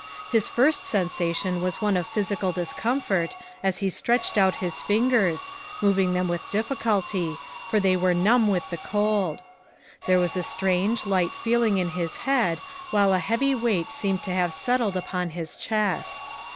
His first sensation was one of physical discomfort as he stretched out his fingers, moving them with difficulty, for they were numb with the cold. There was a strange, light feeling in his head, while a heavy weight seemed to have settled upon his chest.